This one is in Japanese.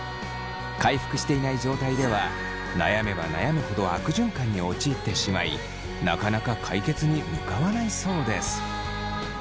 回復していない状態では悩めば悩むほど悪循環に陥ってしまいなかなか解決に向かわないそうです。